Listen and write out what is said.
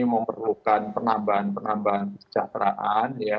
memerlukan penambahan penambahan kesejahteraan ya